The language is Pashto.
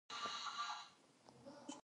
د مینې او ورورولۍ پيغام خپور کړئ.